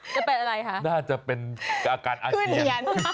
จะเป็นอะไรคะน่าจะเป็นอาการอาเจียน